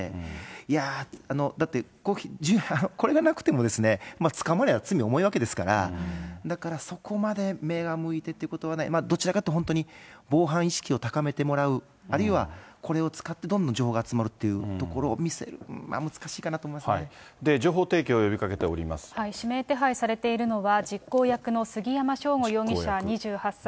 いやあ、これがなくても捕まれば罪は重いわけですから、だから、そこまで目が向いてっていうことはね、どちらかというと本当に防犯意識を高めてもらう、あるいはこれを使ってどんどん情報が集まるっていうところを見せ情報提供を呼びかけておりま指名手配されているのは、実行役の杉山翔吾容疑者２８歳。